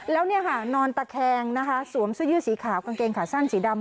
แล้วนอนตะแคงสวมซื้อยื้อสีขาวกางเกงขาสั้นสีดำ